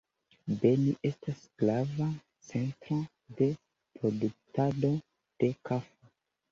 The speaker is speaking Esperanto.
Beni estas grava centro de produktado de kafo.